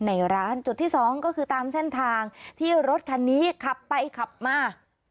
ในร้านจุดที่สองก็คือตามเส้นทางที่รถคันนี้ขับไปขับมา